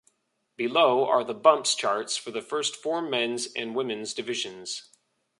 Below are the bumps charts for the first four men's and women's divisions.